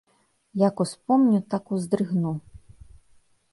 Як успомню, так уздрыгну.